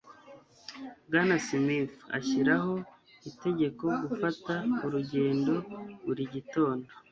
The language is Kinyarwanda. Bwana Smith ashyiraho itegeko gufata urugendo buri gitondo